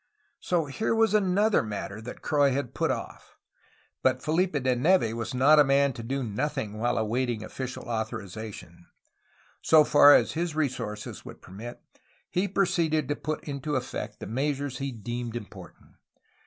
So here was another matter that Croix had put off. But Fehpe de Neve was not a man to do nothing while awaiting 326 A HISTORY OF CALIFORNIA official authorization. So far as his resources would permit, he proceeded to put into effect the measures he deemed important.